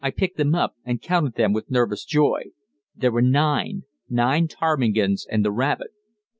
I picked them up and counted them with nervous joy; there were nine nine ptarmigans, and the rabbit.